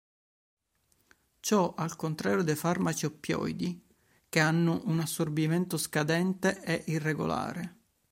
Ciò al contrario dei farmaci oppioidi che hanno un assorbimento scadente e irregolare.